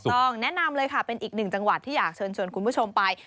ต้องแนะนำเลยค่ะเป็นอีกหนึ่งจังหวัดที่อยากเชิญชวนคุณผู้ชมไป